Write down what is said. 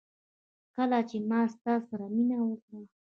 کله چي ما ستا سره مينه وکړه